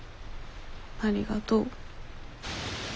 ありがとう。